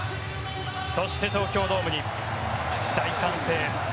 そして、東京ドームに大歓声。